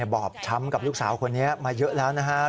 บอบช้ำกับลูกสาวคนนี้มาเยอะแล้วนะครับ